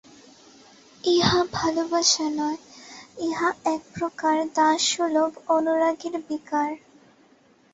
ইহা ভালবাসা নয়, ইহা একপ্রকার দাসসুলভ অনুরাগের বিকার।